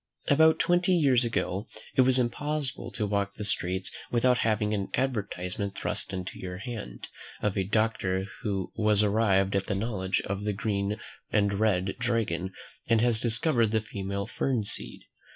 About twenty years ago, it was impossible to walk the streets without having an advertisement thrust into your hand, of a doctor "who was arrived at the knowledge of the 'Green and Red Dragon,' and had discovered the female fern seed."